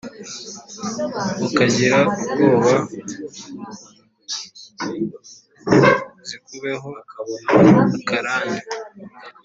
ukagira ubwoba, zikubeho akarande